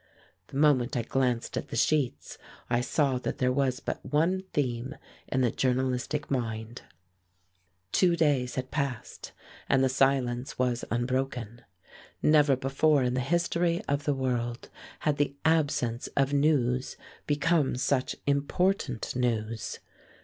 The moment I glanced at the sheets I saw that there was but one theme in the journalistic mind. Two days had passed, and the silence was unbroken. Never before in the history of the world had the absence of news become such important news.